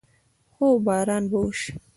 هو، باران به وشي